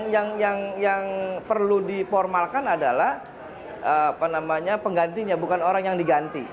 yang perlu diformalkan adalah penggantinya bukan orang yang diganti